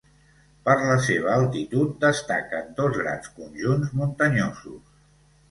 Per la seva altitud, destaquen dos grans conjunts muntanyosos.